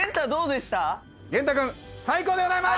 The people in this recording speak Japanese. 元太君最高でございます。